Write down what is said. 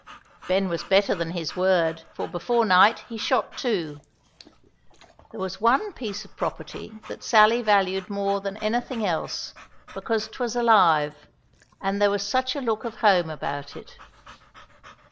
Ben was better than his word, for before night he shot two. There was one piece of property that Sally valued more than anything else, because 'twas alive, and there was such a look of home about it.